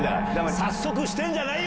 早速してんじゃないよ！